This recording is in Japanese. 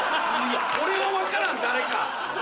これは分からん誰か。